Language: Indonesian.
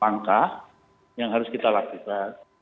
enam pangkah yang harus kita lakikan